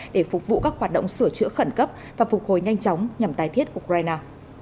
để phục vụ các hoạt động sửa chữa khẩn cấp và phục hồi nhanh chóng nhằm tái thiết ukraine